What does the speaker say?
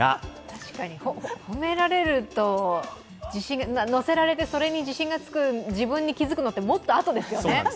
確かに褒められると、のせられてそれに自信がつく自分に気づくのって、もっとあとですよね。